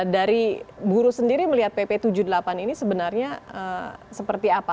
dari buruh sendiri melihat pp tujuh puluh delapan ini sebenarnya seperti apa